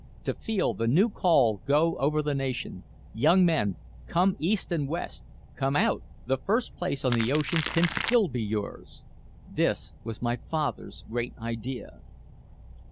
To feel the new call go over the nation "Young men, come east and west, come out! The first place on the oceans can still be yours!" This was my father's great idea.